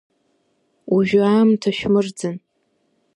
Уажәы аамҭа шәмырӡын.